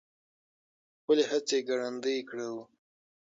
خپلې هڅې ګړندۍ کړو.